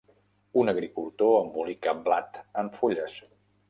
Un agricultor embolica blat en fulles.